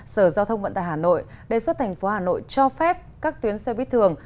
sở giao thông vận tải hà nội đề xuất thành phố hà nội cho phép các tuyến xe buýt thường